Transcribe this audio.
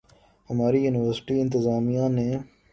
ہماری یونیورسٹی انتظامیہ نے